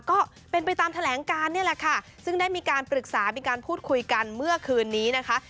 ก็เป็นไปตามแถลงการนี่แหละค่ะซึ่งได้มีการปรึกษามีการพูดคุยกันเมื่อคืนนี้นะคะ